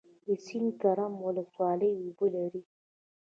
د سید کرم ولسوالۍ اوبه لري